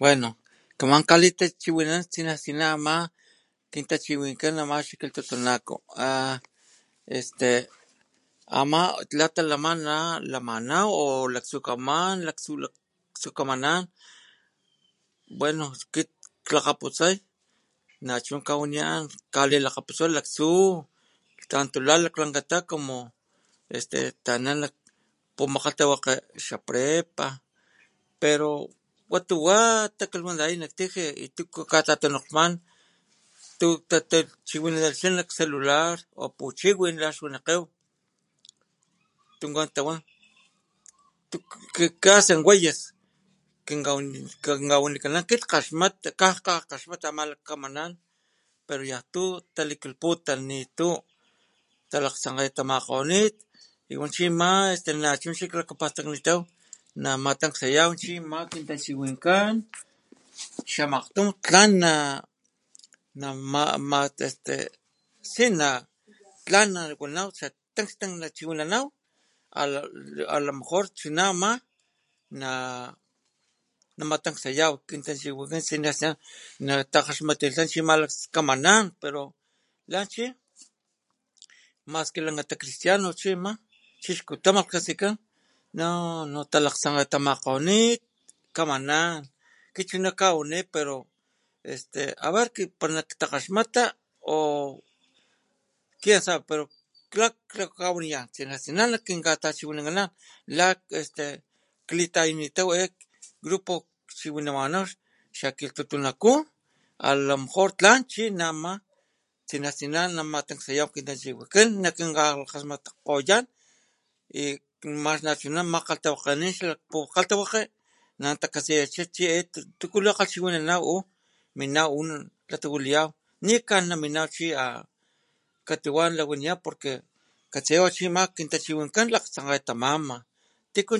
Bueno kamankalitachiwinana tachiwinan tsina tsina kintachiwinkan ama xakilhtutunako mat latalamana o lamaw laktsukaman nachu laktsukamanan bueno akit klakgaputsa nachu kkawaniyan kalilakgaputay laktsu tanto como la laklankata taana nak pumakgalhtawakget xaprepa pero katuwa tatayani nak tijia y katuwa chatanolhman tu tachiwinanacha nak celular o puchiwin lax wanikgoy tunkan tawan que hacen wayes kinkawanikanan akit kaxmata kankaxmata ama kamanan pero yantu talikilhputan talakgtsankgetamakgonit y wa chi ama este chu chi klakapastaknitaw namatanksayaw chi kintachiwinkan xamakgtun tlan na nama este tlan nawanaw tlan nachiwiananw a lomejor chuna ama namatansayaw kintachiwinkan natakgaxmattilha laktsukamanan la chi maski lankata akit la cristianos chi ama chixkuta makgkatsikan nooo nooo talakgtsakgatamakgonit kamanan kit chuna kawani este aver para nak takgaxmata o quiensabe pero lakg kawanitan kinatsenan kinnatachiwianan la klitayanitaw jae grup chiwinamaw xakilhtutunaku lomejor tlan chima tsina tsina namatansayaw kin tachiwinkan akin nakinkgaxmatkgoyan y max nachuna makgalhtawakgenanin nak pukgalhtawakga takatsiyacha chi e tuku likgalhchiwinanaw u nimaw juu latawilayaw nikan naminaw chi katuwa nawaniyan porque katsiya ama kintachiwinkan laktsankgetamama tuku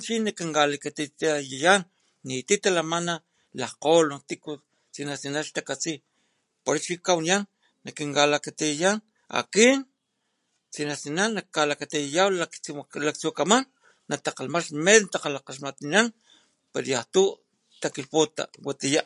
chi nakinkalakatiyayan niti talaman lakgkgolon tiku tsina tsina xtakatsi por eso chi kawaniyan kinkatakatiyan akin tsna tsna nakkalakatiyan latsukaman natakgaxmata kalakgaxmattiyan pero yantu takilhputa watiya.